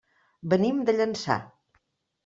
Venim de Llançà.